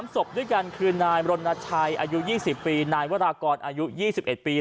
๓ศพด้วยกันคือนายมรณชัยอายุ๒๐ปีนายวรากรอายุ๒๑ปี